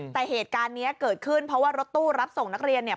แต่เหตุการณ์นี้เกิดขึ้นเพราะว่ารถตู้รับส่งนักเรียนเนี่ย